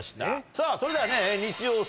さぁそれではね。